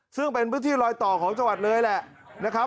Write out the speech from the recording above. ซึ่งเป็นพื้นที่ลอยต่อของจังหวัดเลยแหละนะครับ